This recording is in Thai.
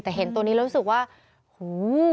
แต่เห็นตัวนี้เรารู้สึกว่าโอ้โฮ